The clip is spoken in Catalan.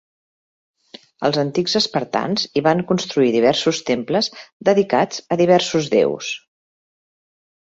Els antics espartans hi van construir diversos temples, dedicats a diversos déus.